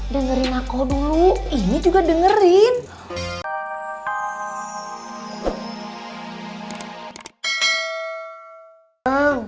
dengerin aku dulu ini juga dengerin